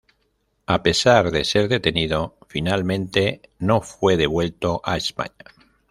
A pesar de ser detenido, finalmente no fue devuelto a España.